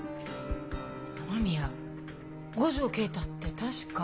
雨宮五条慶太って確か。